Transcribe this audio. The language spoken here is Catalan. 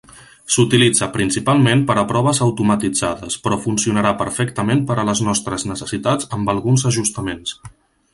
S'utilitza principalment per a proves automatitzades, però funcionarà perfectament per a les nostres necessitats amb alguns ajustaments.